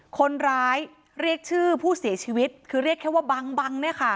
คนร้ายเรียกชื่อผู้เสียชีวิตคือเรียกแค่ว่าบังบังเนี่ยค่ะ